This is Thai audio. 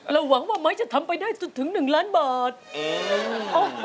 หวังว่าไม้จะทำไปได้จนถึง๑ล้านบาท